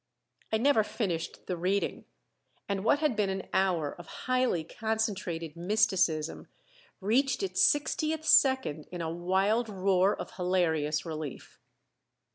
I never finished the reading, and what had been an hour of highly concentrated mysticism reached its sixtieth second in a wild roar of hilarious relief.